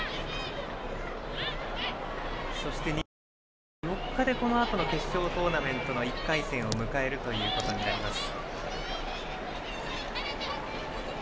そして日本は中４日でこのあとの決勝トーナメントの１回戦を迎えることになります。